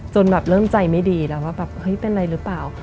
จนแบบเริ่มใจไม่ดีแล้วว่าแบบเฮ้ยเป็นอะไรหรือเปล่า